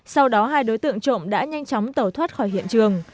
sau đó hai đối tượng trộm đã nhanh chóng tẩu thoát khỏi hiện trường